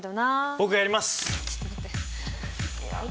僕がやります！